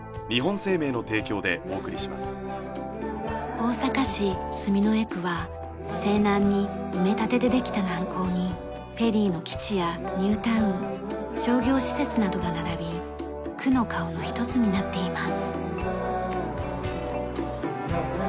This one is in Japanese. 大阪市住之江区は西南に埋め立てでできた南港にフェリーの基地やニュータウン商業施設などが並び区の顔の一つになっています。